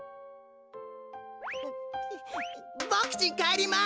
ボクちんかえります！